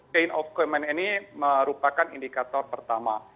chain of command ini merupakan indikator pertama